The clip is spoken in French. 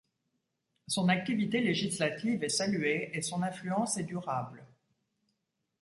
Son activité législative est saluée, et son influence est durable.